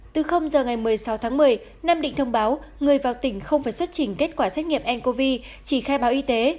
từ giờ ngày một mươi sáu tháng một mươi nam định thông báo người vào tỉnh không phải xuất trình kết quả xét nghiệm ncov chỉ khai báo y tế